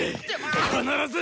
必ず！